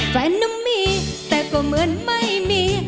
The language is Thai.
แฟนนั้นมีแต่ก็เหมือนไม่มี